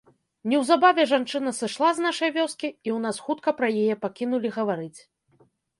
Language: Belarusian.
Неўзабаве жанчына сышла з нашай вёскі, і ў нас хутка пра яе пакінулі гаварыць.